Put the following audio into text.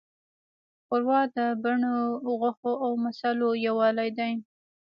ښوروا د بڼو، غوښو، او مصالحو یووالی دی.